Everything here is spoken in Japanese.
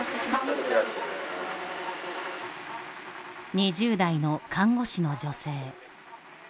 ２０代の看護師の女性。